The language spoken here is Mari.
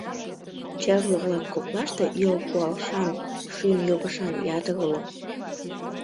Черле-влак коклаште йол пуалшан, шӱйын йогышан ятыр уло.